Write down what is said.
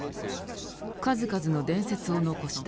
数々の伝説を残した。